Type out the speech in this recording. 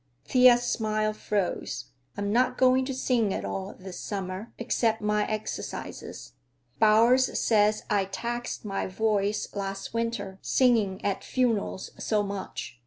Thea's smile froze. "I'm not going to sing at all this summer, except my exercises. Bowers says I taxed my voice last winter, singing at funerals so much.